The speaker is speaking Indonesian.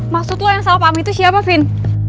maksud lo yang salah paham itu siapa vin